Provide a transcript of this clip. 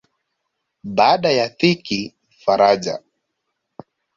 Baada ya dhiki faraja